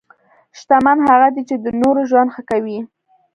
شتمن هغه دی چې د نورو ژوند ښه کوي.